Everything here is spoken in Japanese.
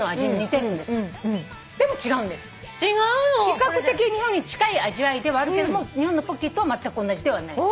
比較的日本に近い味わいではあるけども日本のポッキーとはまったくおんなじではない。